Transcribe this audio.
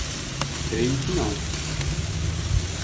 Creio que não.